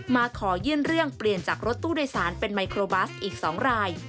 มาขอยื่นเรื่องเปลี่ยนจากรถตู้โดยสารเป็นไมโครบัสอีก๒ราย